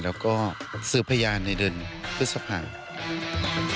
และซื้อประยาณในเดินพรุษภัง